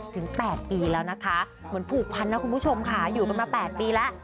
ถึง๘ปีแล้วนะคะเหมือนผูกพันนะคุณผู้ชมค่ะอยู่กันมา๘ปีแล้ว